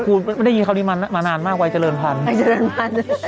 คุณไม่ได้ยินคราวนี้มานานมากวัยเจริญพันธ์วัยเจริญพันธุ์